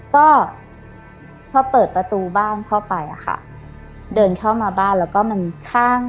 ก็พอเปิดประตูบ้านเข้าไปอะค่ะเดินเข้ามาบ้านแล้วก็มันข้าง